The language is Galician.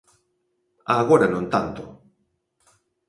Agora non tanto.